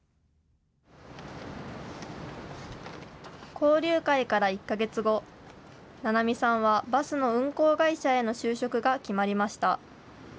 交流会から１か月後、ななみさんはバスの運行会社への就職が決まりました。